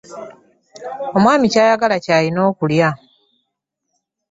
Omwami ky'ayagala ky'alina okulya.